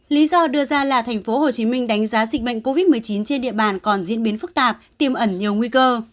lý do đưa ra là tp hcm đánh giá dịch bệnh covid một mươi chín trên địa bàn còn diễn biến phức tạp tiêm ẩn nhiều nguy cơ